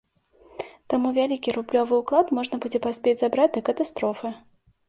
Таму вялікі рублёвы ўклад можна будзе паспець забраць да катастрофы.